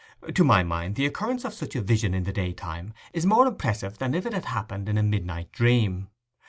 To my mind the occurrence of such a vision in the daytime is more impressive than if it had happened in a midnight dream.